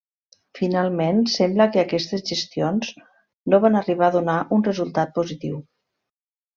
Finalment sembla que aquestes gestions no van arribar a donar un resultat positiu.